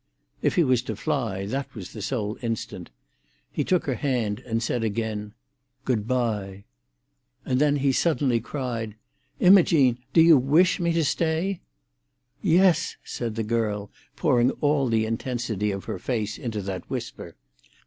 If he was to fly, that was the sole instant. He took her hand, and said again, "Good bye." And then he suddenly cried, "Imogene, do you wish me to stay?" "Yes!" said the girl, pouring all the intensity of her face into that whisper.